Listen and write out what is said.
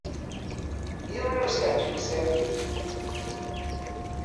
Yiwen ur s-yeεǧib usaran-ik.